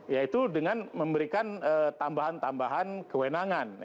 yaitu dengan memberikan tambahan tambahan kewenangan